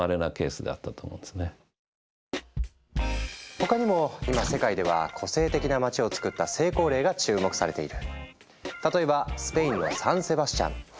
他にも今世界では個性的な街をつくった成功例が注目されている。